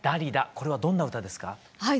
これはどんな歌ですか？